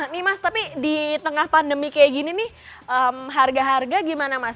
nih mas tapi di tengah pandemi kayak gini nih harga harga gimana mas